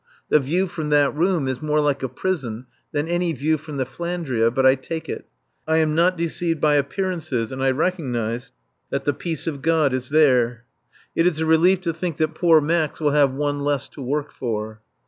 The view from that room is more like a prison than any view from the "Flandria," but I take it. I am not deceived by appearances, and I recognize that the peace of God is there. It is a relief to think that poor Max will have one less to work for.